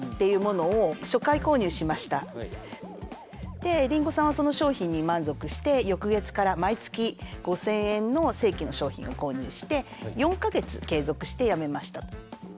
でりんごさんはその商品に満足して翌月から毎月５，０００円の正規の商品を購入して４か月継続してやめました。